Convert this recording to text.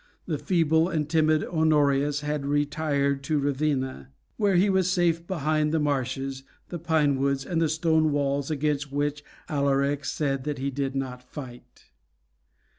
The feeble and timid Honorius had retired to Ravenna, where he was safe behind the marshes, the pine woods, and the stone walls against which Alaric said that he did not fight.